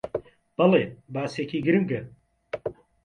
بەڵێ، باسێکی گرینگە